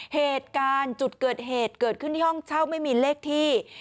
เหตุการณ์จุดเกิดเหตุเกิดขึ้นที่ห้องเช่าไม่มีเลขที่